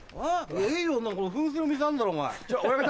いいよ噴水の水あんだろお前。